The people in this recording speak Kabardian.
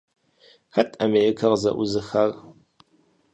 Хэт Америкэр къызэӀузыхар?